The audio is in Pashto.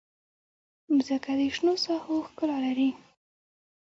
مځکه د شنو ساحو ښکلا لري.